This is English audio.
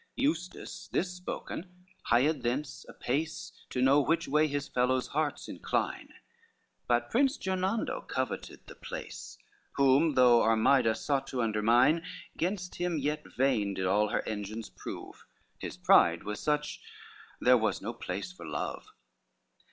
Eustace, this spoken, hied thence apace To know which way his fellows' hearts incline: But Prince Gernando coveted the place, Whom though Armida sought to undermine, Gainst him yet vain did all her engines prove, His pride was such, there was no place for love.